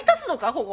ここ。